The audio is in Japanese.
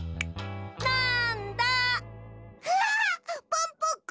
ポンポコ。